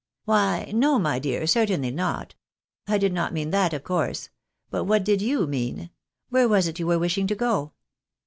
" Why, no my dear, certainly not. I did not mean that, of course. But what did you mean ? Where was it you were wishing to go